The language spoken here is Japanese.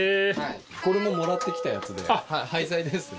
これももらってきたやつで廃材ですね。